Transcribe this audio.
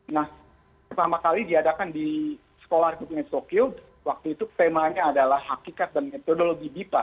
nah pertama kali diadakan di sekolah republik tokyo waktu itu temanya adalah hakikat dan metodologi bipa